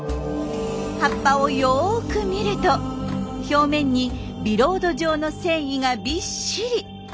葉っぱをよく見ると表面にビロード状の繊維がびっしり。